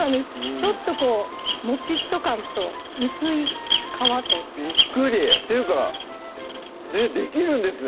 ちょっとこうもちっと感と薄い皮とびっくりっていうかできるんですね